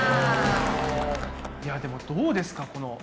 いやでもどうですか？